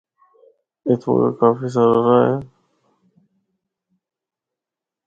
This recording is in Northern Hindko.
اُتھو اگا کافی ساراہ راہ ہے۔